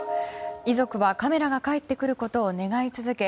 遺族はカメラが返ってくることを願い続け